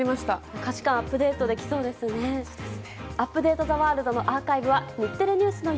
価値観アップデートできそうですね。